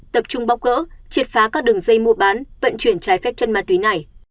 tập trung bóc gỡ triệt phá các đường dây mua bán vận chuyển trái phép chân ma túy này